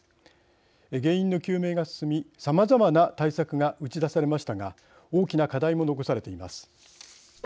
原因の究明が進みさまざまな対策が打ち出されましたが大きな課題も残されています。